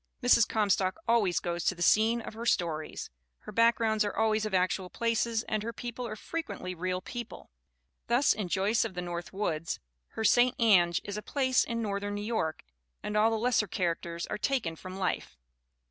Mrs. Comstock always goes to the scene of her stories. Her backgrounds are always of actual places and her people are frequently real people. Thus in Joyce of the North Woods her St. Ange is a place in northern New York and all the lesser characters are taken from life.